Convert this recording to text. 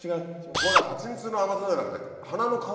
これハチミツの甘さじゃなくて。